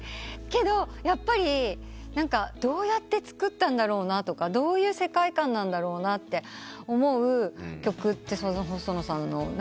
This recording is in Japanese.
けどやっぱりどうやって作ったんだろうなとかどういう世界観なんだろうなって思う曲って細野さんの。